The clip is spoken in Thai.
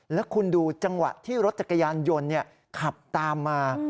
แล้วคุณดูจังหวะที่รถจักรยานยนต์ขับตามมา